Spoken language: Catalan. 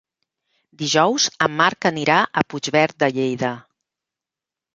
Dijous en Marc anirà a Puigverd de Lleida.